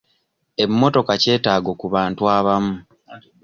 Emmotoka kyetaago ku bantu abamu.